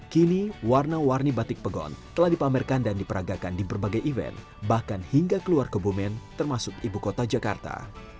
kini warna warni batik pegon telah dipamerkan dan diperagakan di berbagai event bahkan hingga keluar kebumen termasuk ibu kota jakarta